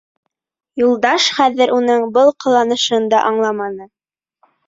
Юлдаш хәҙер уның был ҡыланышын да аңламаны.